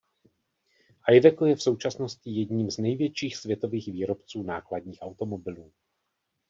Iveco je v současnosti jedním z největších světových výrobců nákladních automobilů.